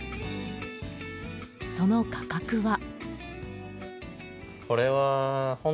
その価格は。